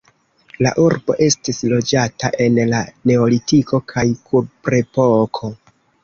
La urbo estis loĝata en la neolitiko kaj kuprepoko.